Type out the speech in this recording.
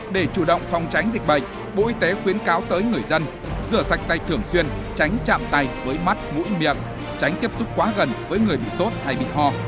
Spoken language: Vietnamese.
để chủ động phòng tránh dịch bệnh bộ y tế khuyến cáo tới người dân rửa sạch tay thường xuyên tránh chạm tay với mắt mũi miệng tránh tiếp xúc quá gần với người bị sốt hay bị ho